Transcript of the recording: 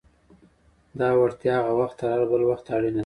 دا وړتیا هغه وخت تر هر بل وخت اړینه ده.